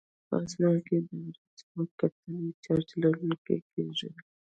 په اسمان کې د وریځو کتلې چارج لرونکي کیږي.